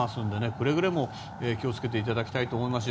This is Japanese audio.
くれぐれも気を付けていただきたいと思います。